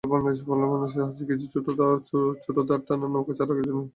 ফলে বাংলাদেশিদের হাতে কিছু ছোট দাঁড় টানা নৌকা ছাড়া কিছু ছিল না।